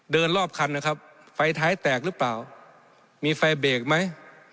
รอบคันนะครับไฟท้ายแตกหรือเปล่ามีไฟเบรกไหม